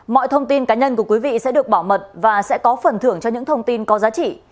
mọi thông tin cá nhân của quý vị sẽ được bảo mật và sẽ có phần thưởng cho những thông tin có giá trị